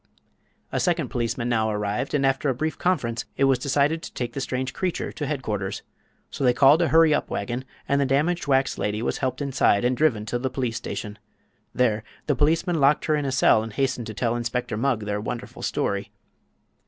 A second policeman now arrived, and after a brief conference it was decided to take the strange creature to headquarters. So they called a hurry up wagon, and the damaged wax lady was helped inside and driven to the police station. There the policeman locked her in a cell and hastened to tell Inspector Mugg their wonderful story.